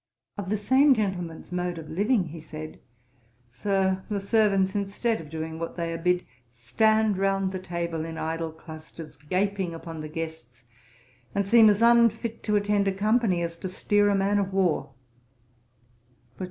Of the same gentleman's mode of living, he said, 'Sir, the servants, instead of doing what they are bid, stand round the table in idle clusters, gaping upon the guests; and seem as unfit to attend a company, as to steer a man of war.'